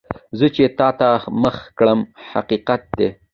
زه چې تا ته مخ کړم، حقیقت دی.